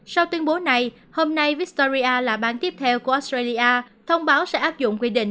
sau tuyên bố này hôm nay victoria là bang tiếp theo của australia thông báo sẽ áp dụng quy định